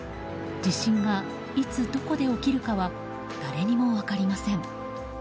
地震がいつどこで起きるかは誰にも分かりません。